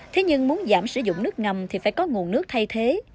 thế nhưng muốn giảm sử dụng nước ngầm thì phải có nguồn nước thay thế